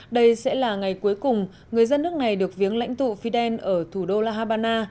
đây sẽ là ngày cuối cùng người dân nước này được viếng lãnh tụ fidel ở thủ đô la habana